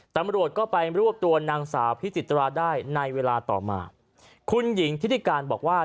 ตำรวจก็ไปรวบตัวนางสาวพิจิตราได้ในเวลาต่อมาคุณหญิงทิติการบอกว่า